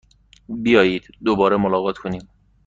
بیایید دوباره ملاقات کنیم!